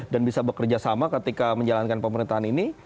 dan bisa bekerja sama ketika menjalankan pemerintahan ini